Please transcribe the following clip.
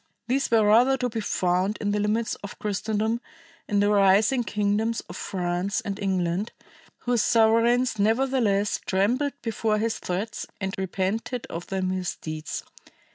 These were rather to be found in the limits of Christendom in the rising kingdoms of France and England, whose sovereigns nevertheless trembled before his threats and repented of their misdeeds.